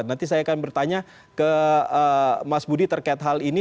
nanti saya akan bertanya ke mas budi terkait hal ini